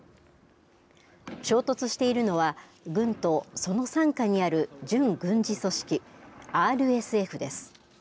衝突しているのは軍とその傘下にある準軍事組織ＲＳＦです。